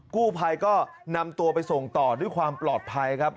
กู้ภัยก็นำตัวไปส่งต่อด้วยความปลอดภัยครับ